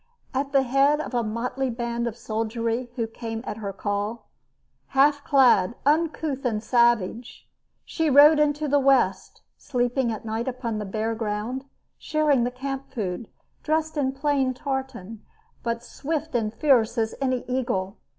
At the head of a motley band of soldiery who came at her call half clad, uncouth, and savage she rode into the west, sleeping at night upon the bare ground, sharing the camp food, dressed in plain tartan, but swift and fierce as any eagle.